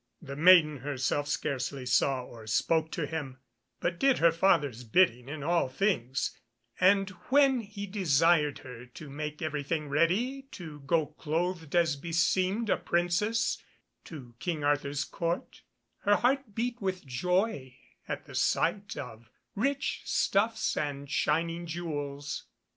The maiden herself scarcely saw or spoke to him, but did her father's bidding in all things, and when he desired her to make everything ready to go clothed as beseemed a Princess to King Arthur's Court, her heart beat with joy at the sight of rich stuffs and shining jewels.